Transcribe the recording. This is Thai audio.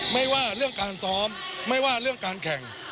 ไม่ว่าเรื่องการซ้อมไม่ว่าเรื่องการแข่ง